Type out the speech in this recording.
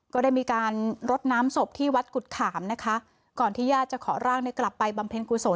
ก็ได้มีการรดน้ำศพที่วัดกุฎขามนะคะก่อนที่ญาติจะขอร่างเนี่ยกลับไปบำเพ็ญกุศล